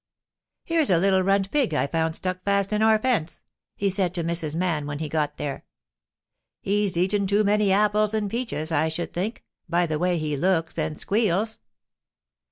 "Here's a little runt pig I found stuck fast in our fence," he said to Mrs. Man when he got there. "He's eaten too many apples and peaches, I should think, by the way he looks and squeals."